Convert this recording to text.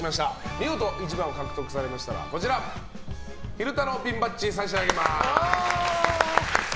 見事１番を獲得されましたらこちらの昼太郎ピンバッジを差し上げます。